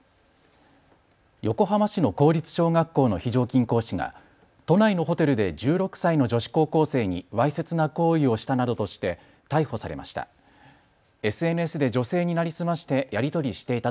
横浜市の公立小学校の非常勤講師が都内のホテルで１６歳の女子高校生にわいせつな行為をしたなどとして逮捕されました。